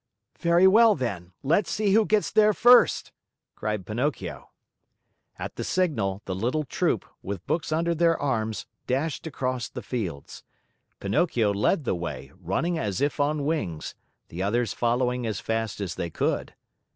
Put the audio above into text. "Very well, then. Let's see who gets there first!" cried Pinocchio. At the signal, the little troop, with books under their arms, dashed across the fields. Pinocchio led the way, running as if on wings, the others following as fast as they could.